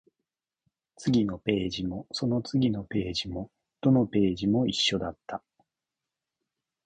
次のページも、その次のページも、どのページも一緒だった